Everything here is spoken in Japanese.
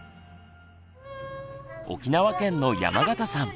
沖縄県の山形さん。